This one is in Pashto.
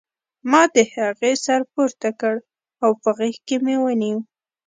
ما د هغې سر پورته کړ او په غېږ کې مې ونیو